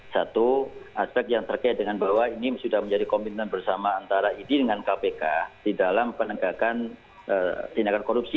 satu aspek yang terkait dengan bahwa ini sudah menjadi komitmen bersama antara idi dengan kpk di dalam penegakan tindakan korupsi